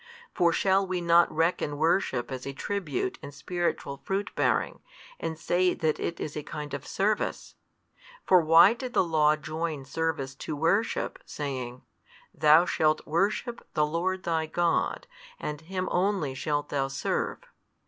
For shall we not reckon worship as a tribute and spiritual fruit bearing, and say that it is a kind of service? For why did the law join service to worship, saying, Thou shalt worship the Lord thy God and Him only shalt thou serve?